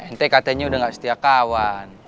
ini katanya udah gak setia kawan